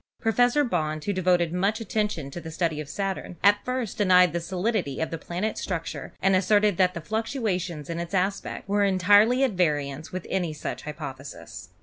Professor Bond, who devoted much attention to the study of Saturn, at first denied the solidity of the planet's structure and asserted that the fluctuations in its aspect were entirely 206 ASTRONOMY at variance with any such hypothesis.